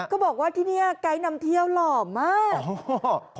บอกว่าที่นี่ไกด์นำเที่ยวหล่อมาก